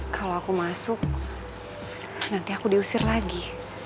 kalau aku masuk nanti aku diusir lagi